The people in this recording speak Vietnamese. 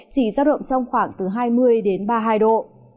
chỉ giao động trong khoảng từ hai mươi đến ba mươi hai độ